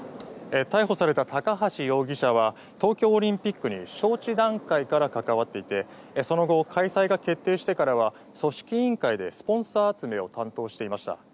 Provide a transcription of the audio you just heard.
逮捕された高橋容疑者は東京オリンピックに招致段階から関わっていてその後、開催が決定してからは組織委員会でスポンサー集めを担当していました。